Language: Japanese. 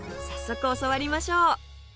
早速教わりましょう